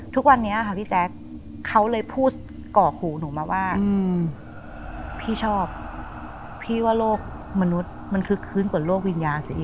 ทุกวันนี้ค่ะพี่แจ๊คเขาเลยพูดก่อขู่หนูมาว่าพี่ชอบพี่ว่าโรคมนุษย์มันคือคืนกว่าโรควิญญาณสิ